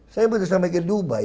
saya begitu sampe ke dubai